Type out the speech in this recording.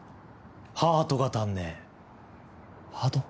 ハートが足んねえハート？